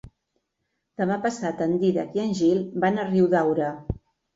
Demà passat en Dídac i en Gil van a Riudaura.